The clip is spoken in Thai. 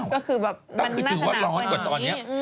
ก็คือแบบมันน่าจะหนาวกว่านี้